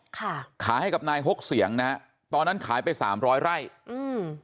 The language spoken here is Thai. ขายให้กับนายหกเสียงนะฮะตอนนั้นขายไปสามร้อยไร่อืม